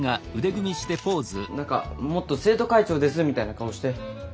何かもっと「生徒会長です」みたいな顔して。